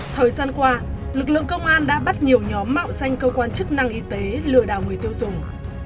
thời gian qua lực lượng công an đã bắt nhiều nhóm mạo danh cơ quan chức năng y tế lừa đảo người tiêu dùng